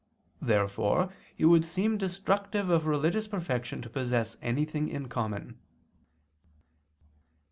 Therefore it would seem destructive of religious perfection to possess anything in common.